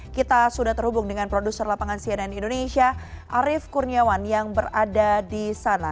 kita sudah terhubung dengan produser lapangan cnn indonesia arief kurniawan yang berada di sana